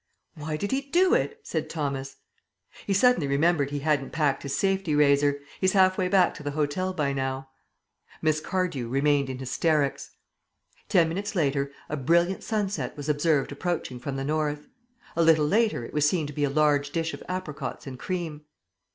"Why did he do it?" said Thomas. "He suddenly remembered he hadn't packed his safety razor. He's half way back to the hotel by now." Miss Cardew remained in hysterics. Ten minutes later a brilliant sunset was observed approaching from the north. A little later it was seen to be a large dish of apricots and cream.